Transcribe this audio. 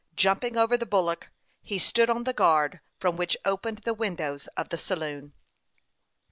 Jumping over the bulwark, he stood on the guard from which opened the windows of the saloon.